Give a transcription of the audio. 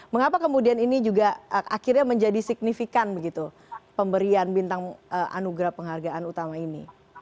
mengapa kemudian ini juga akhirnya menjadi signifikan begitu pemberian bintang anugerah penghargaan utama ini